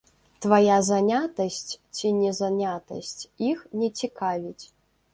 Твая занятасць ці не занятасць іх не цікавіць.